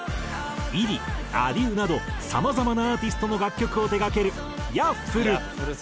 ｉｒｉａｄｉｅｕなどさまざまなアーティストの楽曲を手がけるＹａｆｆｌｅ。